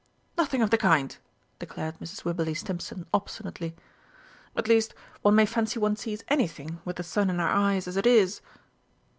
"Nothing of the kind!" declared Mrs. Wibberley Stimpson obstinately. "At least one may fancy one sees anything with the sun in our eyes as it is.